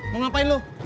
mau ngapain lu